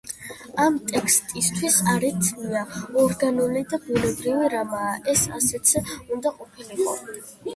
ამ ტექსტისთვის არითმია ორგანული და ბუნებრივი რამაა, ეს ასეც უნდა ყოფილიყო.